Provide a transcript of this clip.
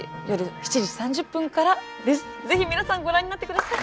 ぜひ皆さんご覧になって下さい。